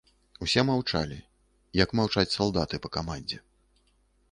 Усе маўчалі, як маўчаць салдаты па камандзе.